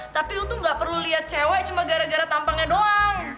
tapi lu tuh gak perlu lihat cewek cuma gara gara tampangnya doang